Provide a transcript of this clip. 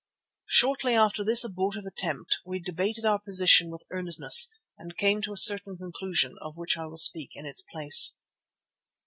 Shortly after this abortive attempt we debated our position with earnestness and came to a certain conclusion, of which I will speak in its place.